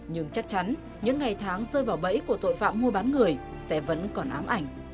nhưng chắc chắn những ngày tháng rơi vào bẫy của tội phạm